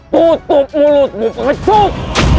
putuk mulutmu pengecut